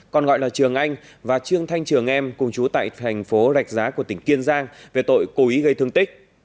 còn gọi là trường anh và trương thanh trường em cùng chú tại thành phố rạch giá của tỉnh kiên giang về tội cố ý gây thương tích